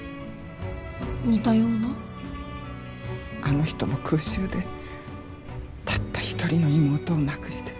あの人も空襲でたった一人の妹を亡くして。